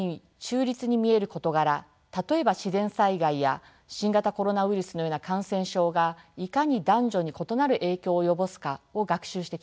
例えば自然災害や新型コロナウイルスのような感染症がいかに男女に異なる影響を及ぼすかを学習してきました。